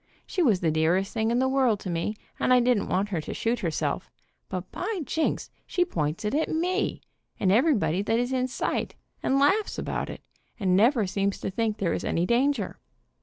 She was the dearest thing in the world to me, and I didn't want her to shoot herself, but by Jinks, she points it at me, and everybody that is in sight, and laughs about it, and never seems to think there is any dan g e r.